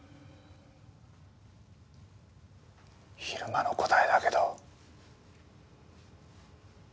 昼間の答えだけど。